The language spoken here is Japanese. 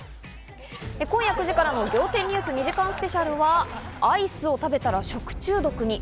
今夜９時からの『仰天ニュース』２時間スペシャルは、アイスを食べたら食中毒に。